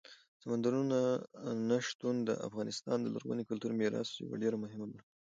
سمندر نه شتون د افغانستان د لرغوني کلتوري میراث یوه ډېره مهمه برخه ده.